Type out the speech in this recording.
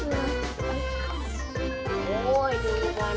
โอ้ยดูอีกวัน